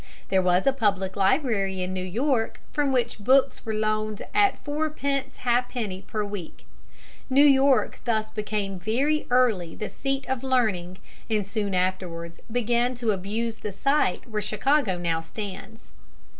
There was a public library in New York, from which books were loaned at fourpence ha'penny per week. New York thus became very early the seat of learning, and soon afterwards began to abuse the site where Chicago now stands.